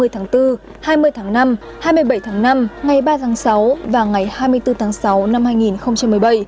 hai mươi tháng bốn hai mươi tháng năm hai mươi bảy tháng năm ngày ba tháng sáu và ngày hai mươi bốn tháng sáu năm hai nghìn một mươi bảy